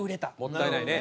もったいないね。